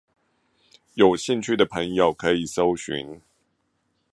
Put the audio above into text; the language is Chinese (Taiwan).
有興趣的朋友可以蒐尋